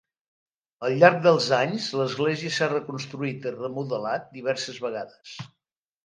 Al llarg dels anys l'església s'ha reconstruït i remodelat diverses vegades.